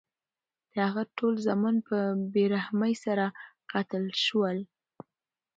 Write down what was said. د هغه ټول زامن په بې رحمۍ سره قتل شول.